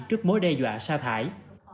trước mối đe dọa xa thải